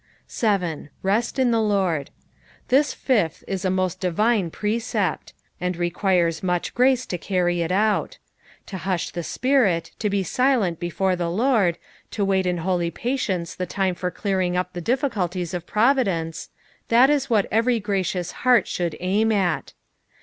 7. " Rnt in the Lord." This finji is a most divine precept, and requires much grace to csrry it out. To hush the spinl, to be silent before the Lord, to wait in holy patience the time for clearing up the difficulties of Providence — that is what every gracious heart should aim at.